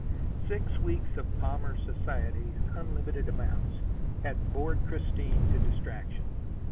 Six weeks of Palmer's society in unlimited amounts had bored Christine to distraction.